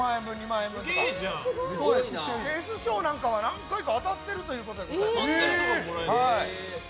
ＳＳ賞なんかは何回か当たっているということです。